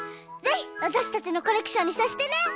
ぜひわたしたちのコレクションにさせてね！